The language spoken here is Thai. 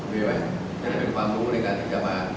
มีไหมมันเป็นความรู้ในการที่จะมา